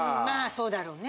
そうだろうね